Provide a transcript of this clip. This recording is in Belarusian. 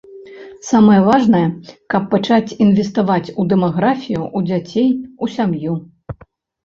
Самае важнае, каб пачаць інвеставаць у дэмаграфію, у дзяцей, у сям'ю.